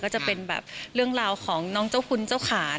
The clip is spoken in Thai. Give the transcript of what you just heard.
ก็จะเป็นแบบเรื่องราวของน้องเจ้าคุณเจ้าขา